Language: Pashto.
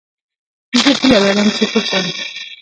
زه هیله لرم چې ښه شم